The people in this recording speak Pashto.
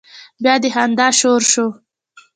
بيا د خندا شور شو.